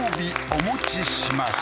お持ちします